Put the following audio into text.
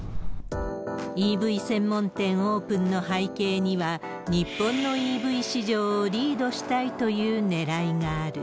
ＥＶ専門店オープンの背景には、日本のＥＶ市場をリードしたいというねらいがある。